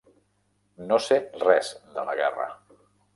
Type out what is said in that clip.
No sé res de la guerra.